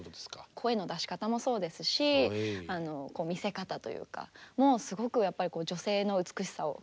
声の出し方もそうですしあのこう見せ方というかすごくやっぱりこう女性の美しさを感じますね。